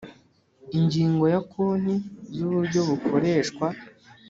Ingingo ya Konti z Uburyo bukoreshwa